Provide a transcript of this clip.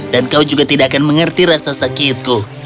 dan kau juga tidak akan mengerti rasa sakitku